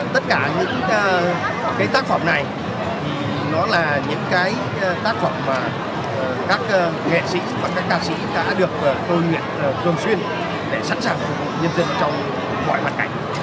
tất cả những cái tác phẩm này thì nó là những cái tác phẩm mà các nghệ sĩ và các ca sĩ đã được tôn nguyện cơm xuyên để sẵn sàng phục vụ nhân dân trong mọi hoạt cảnh